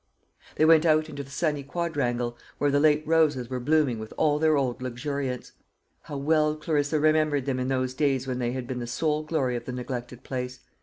They went out into the sunny quadrangle, where the late roses were blooming with all their old luxuriance. How well Clarissa remembered them in those days when they had been the sole glory of the neglected place!